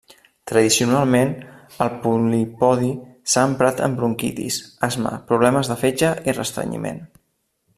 Tradicionalment, el polipodi s'ha emprat en bronquitis, asma, problemes de fetge i restrenyiment.